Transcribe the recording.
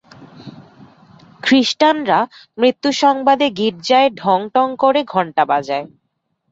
খ্রিষ্টানরা মৃত্যুসংবাদে গির্জায় ঢং-টং করে ঘন্টা বাজায়।